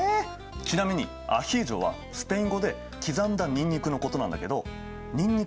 ちなみに「アヒージョ」はスペイン語で「刻んだにんにく」のことなんだけどにんにく